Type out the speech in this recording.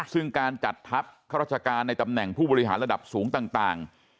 ซึ่งการจัดทัพข้าราชการในตำแหน่งผู้บริหารระดับสูงต่าง